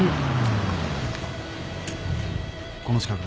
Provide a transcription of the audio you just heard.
この近くだ。